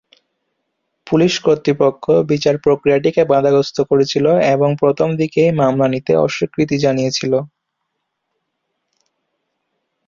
Police কর্তৃপক্ষ বিচার প্রক্রিয়াটিকে বাধাগ্রস্ত করেছিল এবং প্রথমদিকে এই মামলা নিতে অস্বীকৃতি জানিয়েছিল।